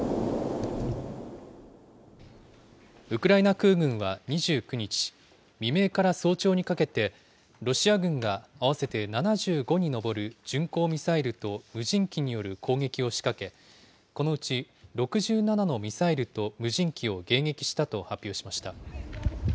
ウクライナ空軍は２９日、未明から早朝にかけて、ロシア軍が合わせて７５に上る巡航ミサイルと無人機による攻撃を仕掛け、このうち６７のミサイルと無人機を迎撃したと発表しました。